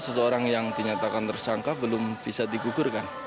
seseorang yang dinyatakan tersangka belum bisa digugurkan